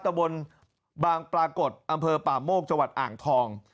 ตะบนบางปรากฏอำเภอป่าโมกจังหวัดอ่างทอง